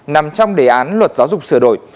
nằm trong đề án luật giáo dục sửa đổi